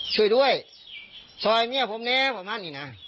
ช่วยด้วยซอยเมียผมนะประมาณนี้นะ